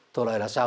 thuận lợi là sao